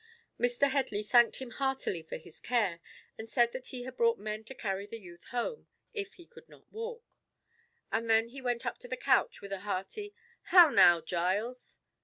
Mr. Headley thanked him heartily for his care, and said that he had brought men to carry the youth home, if he could not walk; and then he went up to the couch with a hearty "How now, Giles?